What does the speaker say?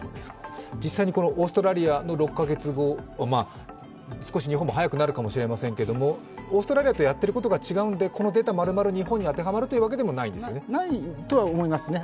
実際にオーストラリアの６カ月後、少し日本も早くなるかもしれませんけれども、オーストラリアとやっていることが違うのでこのデータ、まるまる日本に当てはまるというわけではないということですよね。